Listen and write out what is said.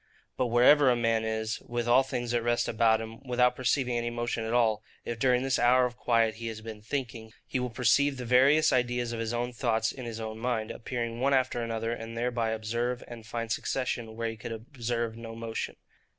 But wherever a man is, with all things at rest about him, without perceiving any motion at all,—if during this hour of quiet he has been thinking, he will perceive the various ideas of his own thoughts in his own mind, appearing one after another, and thereby observe and find succession where he could observe no motion.